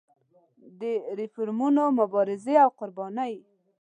د ریفورمونو مبارزې او قربانۍ.